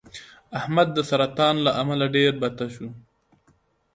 احمد د سرطان له امله ډېر بته شو.